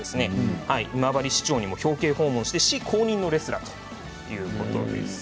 今治市長にも表敬訪問して今治市公認のレスラーとなっています。